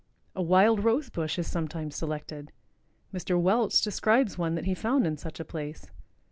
A wild rose bush is sometimes selected. Mr. Welch describes one that he found in such a place.